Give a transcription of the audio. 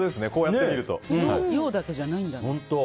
洋だけじゃないんだね。